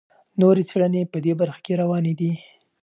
نورې څېړنې په دې برخه کې روانې دي.